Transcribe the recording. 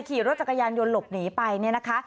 ขี่รถจักรยานยนต์หลบหนีไปเนี่ยนะคะ